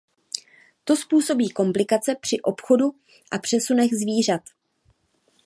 To způsobí komplikace při obchodu a přesunech zvířat.